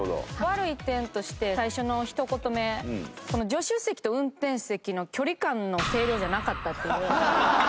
悪い点として最初のひと言目助手席と運転席の距離感の声量じゃなかったっていう。